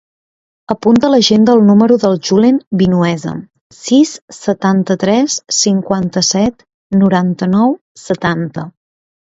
Apunta a l'agenda el número del Julen Vinuesa: sis, setanta-tres, cinquanta-set, noranta-nou, setanta.